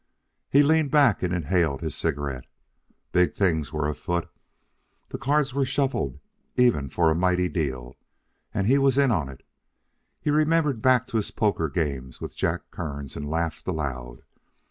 He leaned back and inhaled his cigarette. Big things were afoot. The cards were shuffled even then for a mighty deal, and he was in on it. He remembered back to his poker games with Jack Kearns, and laughed aloud.